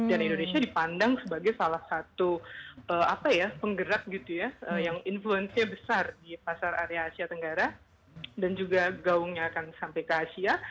jadi kalau kita pandang sebagai salah satu apa ya penggerak gitu ya yang influence nya besar di pasar area asia tenggara dan juga gaungnya akan sampai ke asia